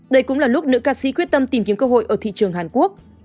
đây cũng là lúc nữ ca sĩ quyết tâm tìm kiếm cơ hội ở thị trường hàn quốc